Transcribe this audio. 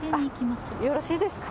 よろしいですか？